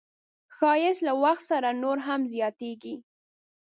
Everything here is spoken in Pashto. ښایست له وخت سره نور هم زیاتېږي